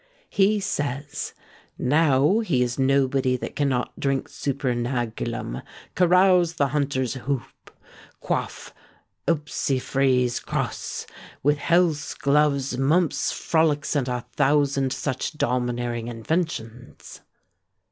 He says "Now, he is nobody that cannot drink super nagulum; carouse the hunter's hoope; quaff vpse freeze crosse; with healths, gloves, mumpes, frolickes, and a thousand such domineering inventions."